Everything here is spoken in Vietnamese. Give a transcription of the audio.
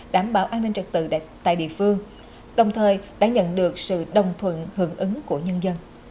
đảm bảo an ninh trật tự tại địa phương đồng thời đã nhận được sự đồng thuận hưởng ứng của nhân dân